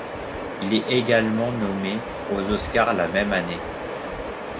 Il est également nommé aux Oscars la même année.